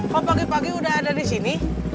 kau pagi pagi udah ada disini